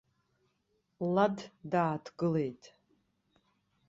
Лад дааҭгылеит.